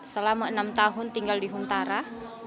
selama enam tahun tinggal di huntara